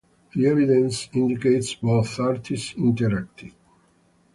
The evidence indicates both artists interacted.